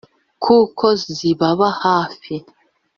kuko zibaba hafi